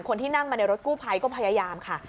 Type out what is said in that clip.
คนที่นั่งมาในรถกู้ภัยก็พยายามค่ะ